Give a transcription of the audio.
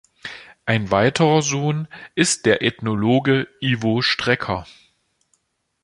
Ein weiterer Sohn ist der Ethnologe Ivo Strecker.